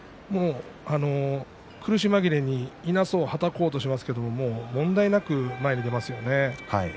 苦し紛れに、いなそうはたこうとしますけれども問題なく前に出ますよね。